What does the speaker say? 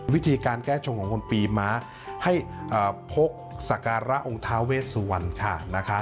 วิธีการแก้ชงของคนปีมะให้พกสการะองค์ทาเวสวันค่ะ